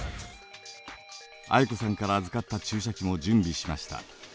藍子さんから預かった注射器も準備しました。